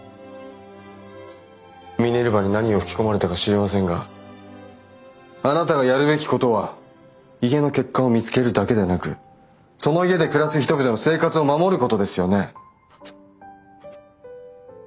ミネルヴァに何を吹き込まれたか知りませんがあなたがやるべきことは家の欠陥を見つけるだけでなくその家で暮らす人々の生活を守ることですよね。